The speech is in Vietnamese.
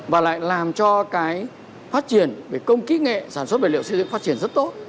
và lại làm cho cái phát triển về công kỹ nghệ sản xuất vật liệu xây dựng phát triển rất tốt